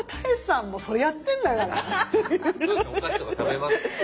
お菓子とか食べます？